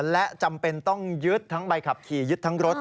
และจำเป็นต้องยึดทั้งใบขับขี่ยึดทั้งรถ